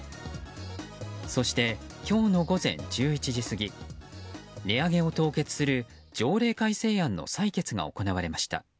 そして、今日の午前１１時過ぎ値上げを凍結する条例改正案の採決が行われました。